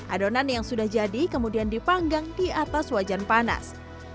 adonan yang sudah jadi kemudian dipanggang di atas wajan panas